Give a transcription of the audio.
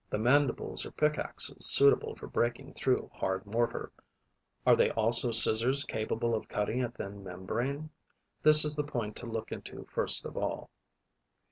The mandibles are pickaxes suitable for breaking through hard mortar: are they also scissors capable of cutting a thin membrane? This is the point to look into first of all.